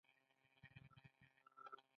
د ماشومانو سره لوبې کول د خوښۍ ښه وسیله ده.